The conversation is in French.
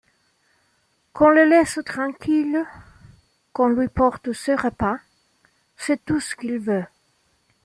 Qu'on le laisse tranquille, qu'on lui porte ses repas, c'est tout ce qu'il veut.